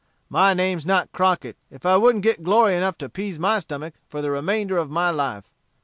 My name's not Crockett if I wouldn't get glory enough to appease my stomach for the remainder of my life.